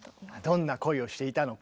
どんな恋をしていたのか。